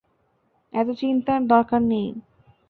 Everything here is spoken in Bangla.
এতো চিন্তার দরকার নেই!